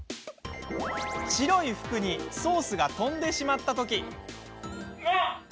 白い服にソースが飛んでしまった時。